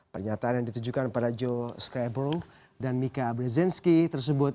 pernyataan yang ditujukan pada joe skybro dan mika brezensky tersebut